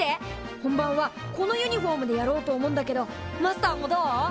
本番はこのユニフォームでやろうと思うんだけどマスターもどう？